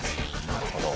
なるほど。